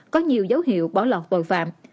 có nhiều dấu hiệu bỏ lọt tội phạm